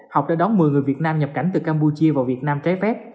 học đã đón một mươi người việt nam nhập cảnh từ campuchia vào việt nam trái phép